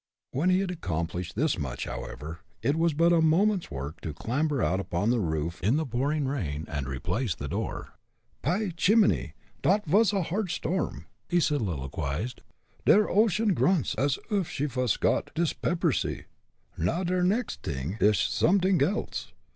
When he had accomplished this much, however, it was but a moment's work to clamber out upon the roof in the pouring rain and replace the door. "Py shimminy, dot vas a hard storm," he soliloquized. "Der ocean grunts as uff she vas got der dispeppersy. Now der next t'ing ish somedings else.